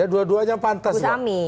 ya dua duanya pantas